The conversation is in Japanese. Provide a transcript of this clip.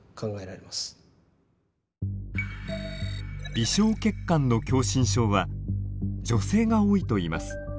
微小血管の狭心症は女性が多いといいます。